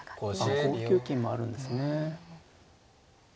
５九金もあるんですね。